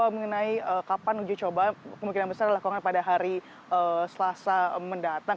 mengenai kapan uji coba kemungkinan besar dilakukan pada hari selasa mendatang